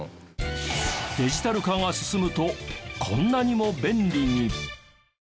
デジタル化が進むとこんなにも便利に。